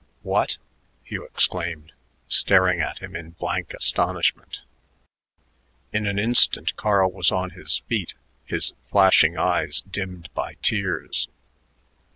"What!" Hugh exclaimed, staring at him in blank astonishment. In an instant Carl was on his feet, his flashing eyes dimmed by tears.